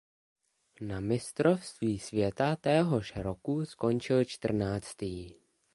Na Mistrovství světa téhož roku skončil čtrnáctý.